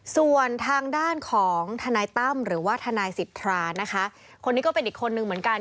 ส่วนทางด้านของทนายตั้มหรือว่าทนายสิทธานะคะคนนี้ก็เป็นอีกคนนึงเหมือนกัน